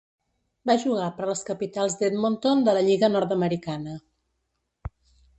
Va jugar per les capitals d'Edmonton de la Lliga nord-americana.